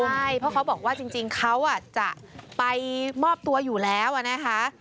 ใช่เพราะเขาบอกว่าจริงเขาจะไปมอบตัวอยู่แล้วนะคะ